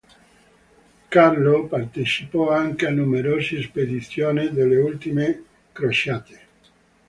Carlo partecipò anche a numerosi spedizioni delle ultime crociate.